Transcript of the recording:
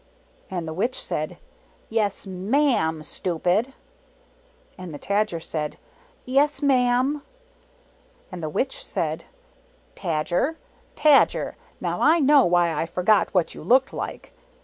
And the Witch said, " Yes, MA'AM, stupid." And the Tajer said, "Yes, MA'AM." And the Witch said, " Tajer, Tajer, now I know why I forgot what you looked like.